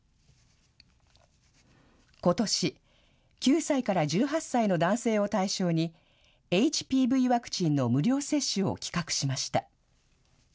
ことし、９歳から１８歳の男性を対象に、ＨＰＶワクチンの無料接種を企画しました。